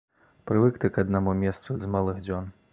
Прывык ты к аднаму месцу з малых дзён.